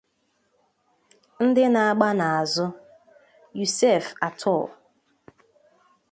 Ndị Na-agba N'azụ: Youcef Atal